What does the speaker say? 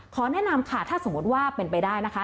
แนะนำค่ะถ้าสมมติว่าเป็นไปได้นะคะ